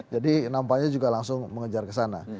jadi nampaknya juga langsung mengejar kesana